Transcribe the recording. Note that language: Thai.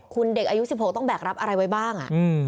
คุณเด็กอายุ๑๖ต้องแบกรับอะไรไว้บ้าง